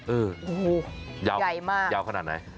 เออโอ้โหยาวใหญ่มากยาวขนาดไหน